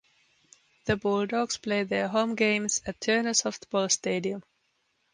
The Bulldogs play their home games at Turner Softball Stadium.